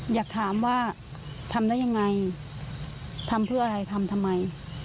อยากถามว่าทำได้ยังไงทำเพื่ออะไรทำทำไม